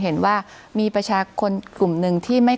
คุณปริณาค่ะหลังจากนี้จะเกิดอะไรขึ้นอีกได้บ้าง